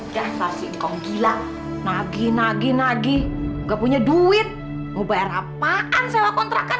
ya pasti kau gila nagih nagih nagih nggak punya duit mau bayar apaan selok kontrakan